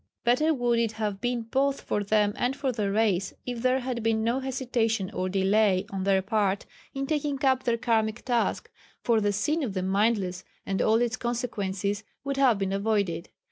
Better would it have been both for them and for the race if there had been no hesitation or delay on their part in taking up their Karmic task, for the sin of the mindless and all its consequences would have been avoided.